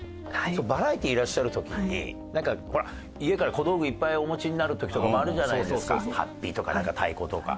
バラエティいらっしゃる時になんかほら家から小道具いっぱいお持ちになる時とかもあるじゃないですか法被とか太鼓とか。